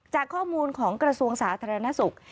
จากข้อมูลของกระทรวงสาธารณสุข